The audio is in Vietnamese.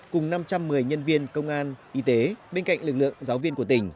cùng năm trăm một mươi nhân viên công an y tế bên cạnh lực lượng giáo viên của tỉnh